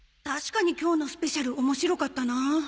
確かに今日のスペシャル面白かったな